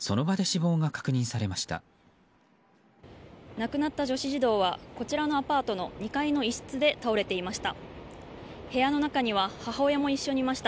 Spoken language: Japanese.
亡くなった女子児童はこちらのアパートの２階の一室で倒れていました。